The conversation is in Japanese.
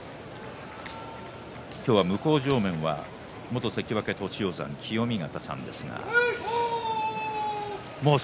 向正面は元関脇栃煌山、清見潟さんです。